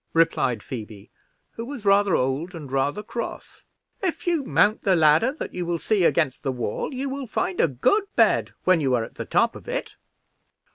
replied Phoebe, who was rather old and rather cross. "If you mount the ladder that you will see against the wall, you will find a good bed when you are at the top of it."